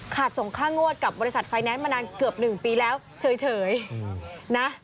ส่งค่างวดกับบริษัทไฟแนนซ์มานานเกือบ๑ปีแล้วเฉยนะ